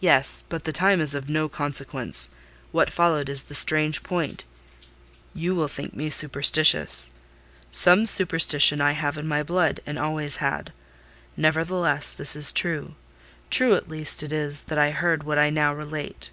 "Yes; but the time is of no consequence: what followed is the strange point. You will think me superstitious,—some superstition I have in my blood, and always had: nevertheless, this is true—true at least it is that I heard what I now relate.